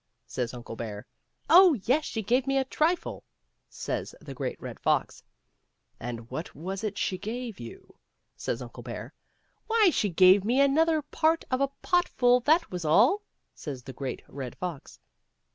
says Uncle Bear. " Oh, yes, she gave me a trifle," says the Great Red Fox. " And what was it she gave you ?" says Uncle Bear. " Why, she gave me another part of a pot full, that was all," says the Great Red Fox.